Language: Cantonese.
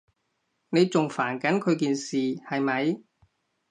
你仲煩緊佢件事，係咪？